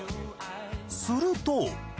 すると。